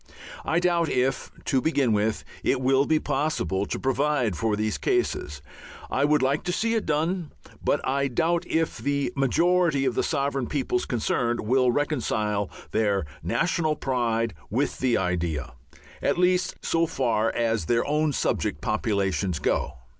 I doubt if, to begin with, it will be possible to provide for these cases. I would like to see it done, but I doubt if the majority of the sovereign peoples concerned will reconcile their national pride with the idea, at least so far as their own subject populations go.